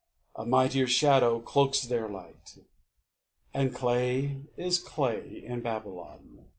A mightier shadow cloaks their light, And clay is clay in Babylon.